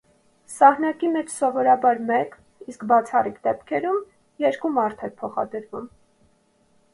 Սահնակի մեջ սովորաբար մեկ, իսկ բացառիկ դեպքում՝ երկու մարդ էր փոխադրվում։